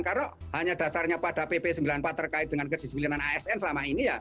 kalau hanya dasarnya pada pp sembilan puluh empat terkait dengan kedisiplinan asn selama ini ya